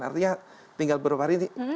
artinya tinggal beberapa hari